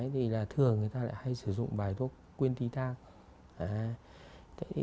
thì là thường người ta lại hay sử dụng bài thuốc quyên tí thang